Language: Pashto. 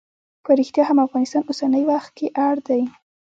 په ریښتیا هم افغانستان اوسنی وخت کې اړ دی.